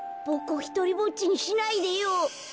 ボクをひとりぼっちにしないでよ。